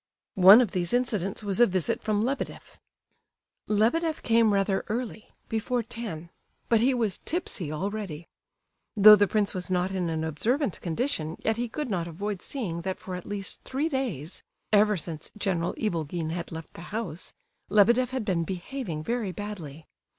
One of these incidents was a visit from Lebedeff. Lebedeff came rather early—before ten—but he was tipsy already. Though the prince was not in an observant condition, yet he could not avoid seeing that for at least three days—ever since General Ivolgin had left the house Lebedeff had been behaving very badly.